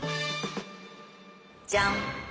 じゃん！